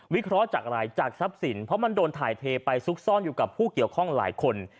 เคราะห์จากอะไรจากทรัพย์สินเพราะมันโดนถ่ายเทไปซุกซ่อนอยู่กับผู้เกี่ยวข้องหลายคน